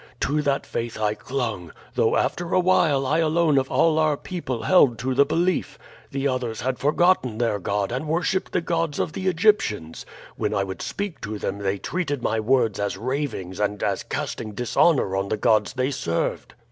To that faith I clung, though after awhile I alone of all our people held to the belief. The others had forgotten their God and worshiped the gods of the Egyptians. When I would speak to them they treated my words as ravings and as casting dishonor on the gods they served.